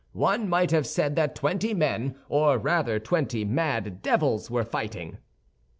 One might have said that twenty men, or rather twenty mad devils, were fighting."